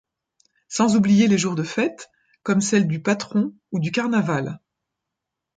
Sans oublier les jours de fête, comme celles du Patron ou du Carnaval.